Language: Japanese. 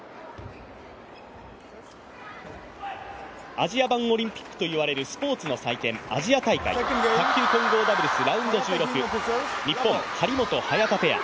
アジア版オリンピックといわれるスポーツの祭典アジア大会、卓球混合ダブルスラウンド１６、日本張本・早田ペア。